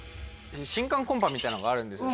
新歓コンパみたいなのがあるんです